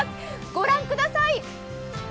御覧ください。